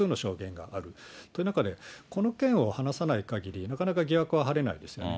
複数の証言がという中で、この件を話さないかぎり、なかなか疑惑は晴れないですよね。